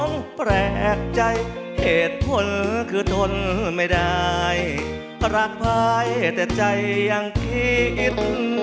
แปลกใจเหตุผลคือทนไม่ได้รักภายแต่ใจยังคิดอิน